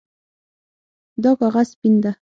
دا کاغذ سپین ده